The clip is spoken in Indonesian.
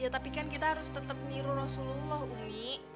ya tapi kan kita harus tetep niru rasulullah umi